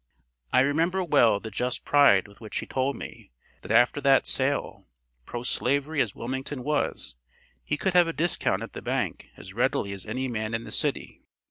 I remember well the just pride with which he told me, that after that sale, pro slavery as Wilmington was, he could have a discount at the bank as readily as any man in the city.